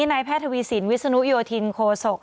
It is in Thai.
นายแพทย์ทวีสินวิศนุโยธินโคศก